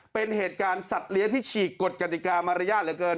เป็นเหตุการณ์สัตว์เลี้ยงที่ฉีกกฎกติกามารยาทเหลือเกิน